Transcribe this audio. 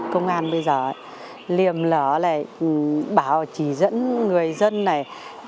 công an bây giờ liềm lở này bảo chỉ dẫn người dân này